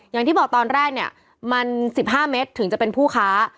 อย่างที่บอกตอนแรกเนี่ยมัน๑๕เมตรถึงจะเป็นผู้ค้า